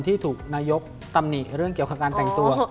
ที่ถูกนายกตำหนิเรื่องเกี่ยวกับการแต่งตัว